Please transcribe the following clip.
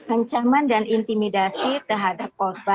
ancaman dan intimidasi terhadap korban